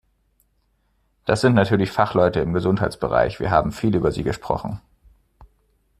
Das sind natürlich Fachleute im Gesundheitsbereich wir haben viel über sie gesprochen.